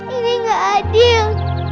ini gak adil